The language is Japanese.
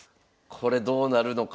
これどうなるのか。